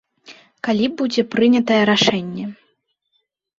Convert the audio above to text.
Калі будзе прынятае рашэнне?